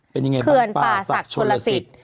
เป็นยังไงบ้างป่าสักชุระสิต